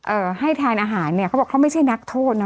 เอ่อให้ทานอาหารเนี่ยเขาบอกเขาไม่ใช่นักโทษนะ